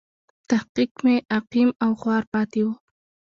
تحقیق مې عقیم او خوار پاتې و.